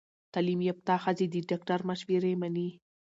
تعلیم یافته ښځې د ډاکټر مشورې مني۔